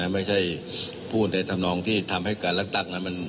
ไม่ใช่พูดในธรรมนองที่ทำให้การเลือกตั้งนั้น